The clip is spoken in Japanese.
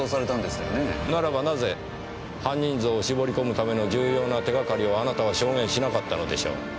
ならばなぜ犯人像を絞り込むための重要な手がかりをあなたは証言しなかったのでしょう。